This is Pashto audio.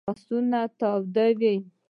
لاسونه تودې وي